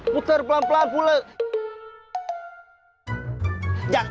puter pelan pelan pula